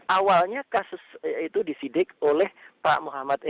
awalnya kasus itu disidik oleh pak muhammad